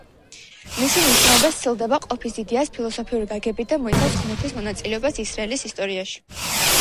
მისი მნიშვნელობა სცილდება ყოფის იდეას ფილოსოფიური გაგებით და მოიცავს ღმერთის მონაწილეობას ისრაელის ისტორიაში.